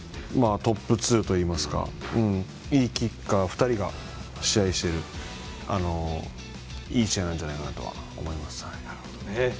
今、トップ２といいますかいいキッカー２人が試合しているいい試合なんじゃないかなと思いました。